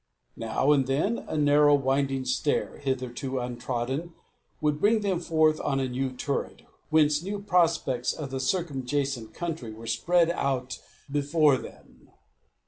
Now and then, a narrow, winding stair, hitherto untrodden, would bring them forth on a new turret, whence new prospects of the circumjacent country were spread out before them.